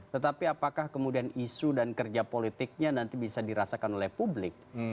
tetapi apakah kemudian isu dan kerja politiknya nanti bisa dirasakan oleh publik